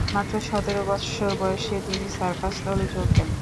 মাত্র সতের বৎসর বয়সে তিনি সার্কাস দলে যোগ দেন।